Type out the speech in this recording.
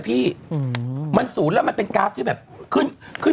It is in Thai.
พี่เราหลุดมาไกลแล้วฝรั่งเศส